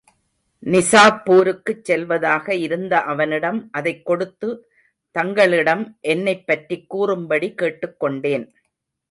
நிசாப்பூருக்குச் செல்வதாக இருந்த அவனிடம் அதைக் கொடுத்து தங்களிடம் என்னைப் பற்றிக்கூறும்படி கேட்டுக் கொண்டேன்.